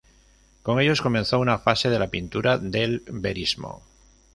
Con ellos, comenzó una fase de la pintura del verismo.